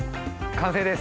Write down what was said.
完成です！